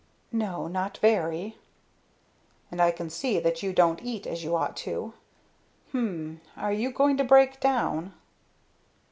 "No not very." "And I can see that you don't eat as you ought to. Hm! Are you going to break down?"